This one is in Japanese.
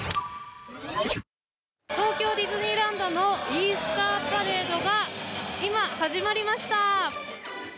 東京ディズニーランドのイースターパレードが今、始まりました。